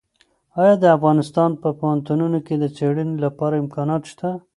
ایا د افغانستان په پوهنتونونو کې د څېړنې لپاره امکانات شته؟